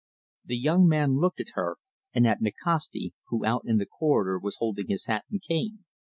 The young man looked at her, and at Nikasti, who out in the corridor was holding his hat and cane.